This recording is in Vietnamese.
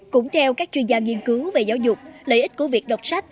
cũng theo các chuyên gia nghiên cứu về giáo dục lợi ích của việc đọc sách